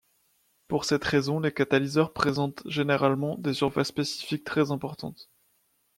Pour cette raison, les catalyseurs présentent généralement des surfaces spécifiques très importantes.